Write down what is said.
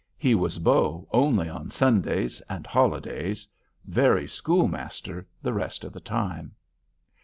He was beau only on Sundays and holidays; very schoolmaster the rest of the time.